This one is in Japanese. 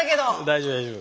大丈夫大丈夫。